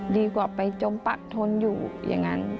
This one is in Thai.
ดีกว่าไปจมปักทนอยู่อย่างนั้น